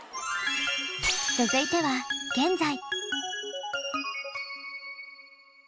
続いては現在。